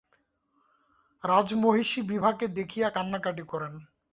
রাজমহিষী বিভাকে দেখিয়া কান্নাকাটি করেন।